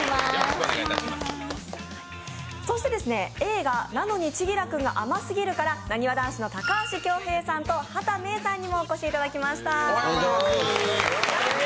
映画「なのに、千輝くんが甘すぎる」からなにわ男子の高橋恭平さんと畑芽育さんにもお越しいただきました。